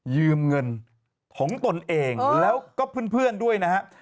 ยืมเงินของตนเองแล้วก็เพื่อนด้วยนะฮะ